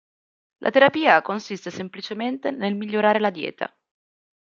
La terapia consiste semplicemente nel migliorare la dieta.